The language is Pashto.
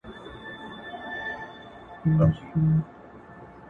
• تر پښو لاندي قرار نه ورکاوه مځکي,